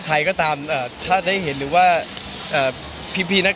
ใช่ค่ะแล้วก็ได้ชมกันปีหน้าค่ะ